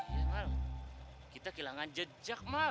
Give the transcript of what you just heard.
iya mal kita kehilangan jejak mal